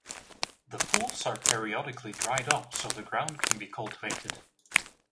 The pools are periodically dried up so the ground can be cultivated.